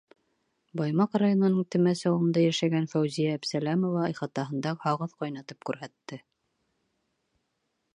Баймаҡ районының Темәс ауылында йәшәгән Фәүзиә Әбсәләмова ихатаһында һағыҙ ҡайнатып күрһәтте.